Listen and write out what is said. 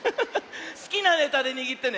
すきなネタでにぎってね。